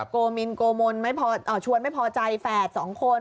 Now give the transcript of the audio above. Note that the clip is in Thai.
โกมินโกมนไม่พอชวนไม่พอใจแฝด๒คน